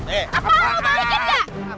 eh eh apa lo balikin gak